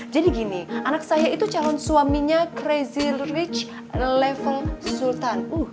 jadi gini anak saya itu calon suaminya crazy rich level sultan